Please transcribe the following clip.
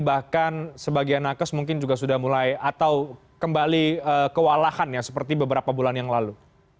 bahkan sebagian nakes mungkin juga sudah mulai atau kembali kewalahan ya seperti beberapa bulan yang lalu